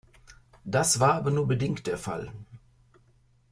Das war aber nur bedingt der Fall.